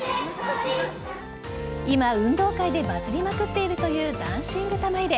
今、運動会でバズりまくっているというダンシング玉入れ。